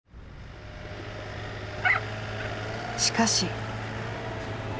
しかし。